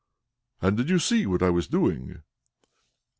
"And did you see what I was doing?"